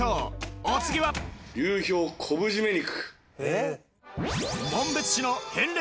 お次は流氷昆布締め肉。